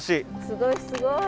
すごいすごい！